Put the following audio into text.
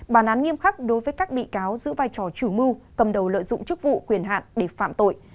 bản án nghiêm khắc đối với các bị cáo giữ vai trò chủ mưu cầm đầu lợi dụng chức vụ quyền hạn để phạm tội